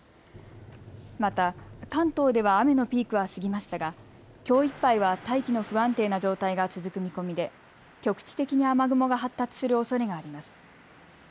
また関東では雨のピークは過ぎましたが、きょういっぱいは大気の不安定な状態が続く見込みで局地的に雨雲が発達するおそれがあります。